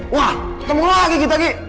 wah ketemu lagi kita gek